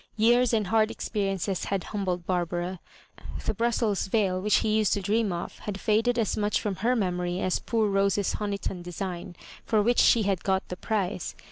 Years and hard experiences had humbled Barbara. The Brus sels veil which he used to dream of had faded as much firom her memory as poor Rose's Honi ton design, for which &e had got the prize.